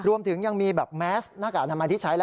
รวมถึงยังมีแบบแมสหน้ากากอนามัยที่ใช้แล้ว